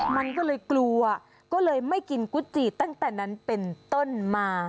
มันก็เลยกลัวก็เลยไม่กินก๋วจีตั้งแต่นั้นเป็นต้นมา